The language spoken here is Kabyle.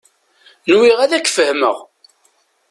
Nwiɣ ad k-fehmeɣ.